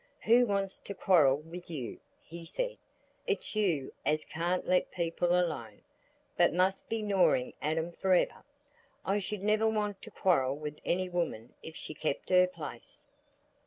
"Who wants to quarrel with you?" he said. "It's you as can't let people alone, but must be gnawing at 'em forever. I should never want to quarrel with any woman if she kept her place."